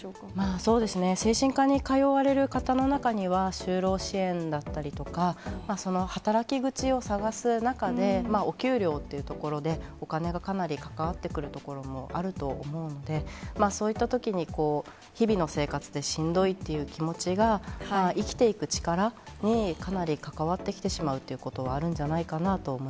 そうですね、精神科に通われる方の中には、就労支援だったりとか、その働き口を探す中で、お給料というところで、お金がかなり関わってくるところもあると思うんで、そういったときに、日々の生活でしんどいっていう気持ちが、やっぱ生きていく力にかなり関わってきてしまうっていうことはあ